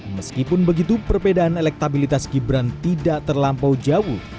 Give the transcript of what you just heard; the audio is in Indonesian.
meskipun begitu perbedaan elektabilitas gibran tidak terlampau jauh